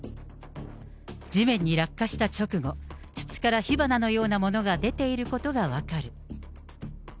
地面に落下した直後、筒から火花のようなものが出ていることが分かる。